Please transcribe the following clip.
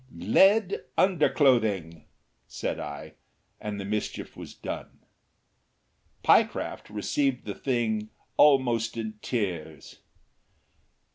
"Lead underclothing," said I, and the mischief was done. Pyecraft received the thing almost in tears.